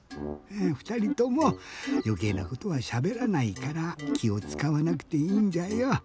ふたりともよけいなことはしゃべらないからきをつかわなくていいんじゃよ。